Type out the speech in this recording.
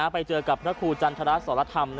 ไปเจอกับอน้าห์คูธรรมชาติศาลธรรม